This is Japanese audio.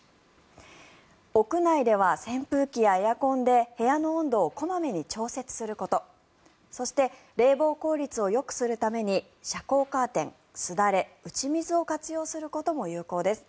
屋内では扇風機やエアコンで部屋の温度を小まめに調節することそして冷房効率をよくするために遮光カーテン、すだれ打ち水を活用することも有効です。